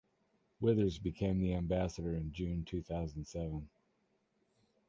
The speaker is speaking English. Withers became the ambassador in June two thousand seven.